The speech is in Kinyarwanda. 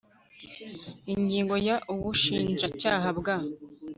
Ingingo ya Ubushinjacyaha bwa